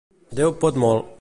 Déu pot molt.